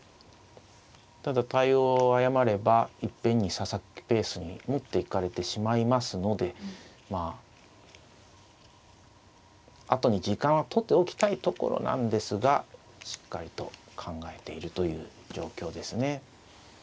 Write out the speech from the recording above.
ただ対応を誤ればいっぺんに佐々木ペースに持っていかれてしまいますのでまあ後に時間は取っておきたいところなんですがしっかりと考えているという状況ですね。